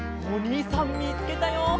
おにいさんみつけたよ。